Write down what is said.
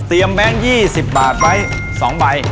เตรียมแบงค์๒๐บาทไว้๒ใบ